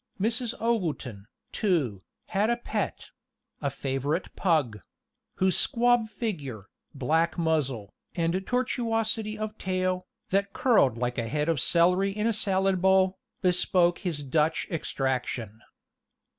Mrs. Ogleton, too, had a pet a favorite pug whose squab figure, black muzzle, and tortuosity of tail, that curled like a head of celery in a salad bowl, bespoke his Dutch extraction.